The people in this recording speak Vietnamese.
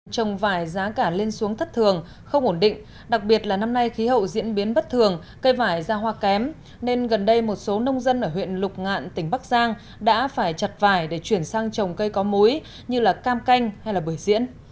trồng vải giá cả lên xuống thất thường không ổn định đặc biệt là năm nay khí hậu diễn biến bất thường cây vải ra hoa kém nên gần đây một số nông dân ở huyện lục ngạn tỉnh bắc giang đã phải chặt vải để chuyển sang trồng cây có muối như cam canh hay bưởi diễn